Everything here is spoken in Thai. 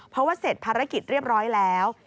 เพราะว่าเสร็จภารกิจเรียบร้อยแล้ว